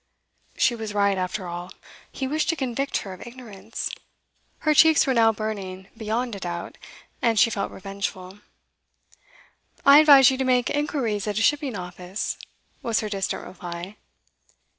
She was right, after all. He wished to convict her of ignorance. Her cheeks were now burning, beyond a doubt, and she felt revengeful. 'I advise you to make inquiries at a shipping office,' was her distant reply.